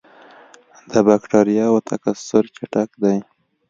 د بکټریاوو تکثر چټک دی.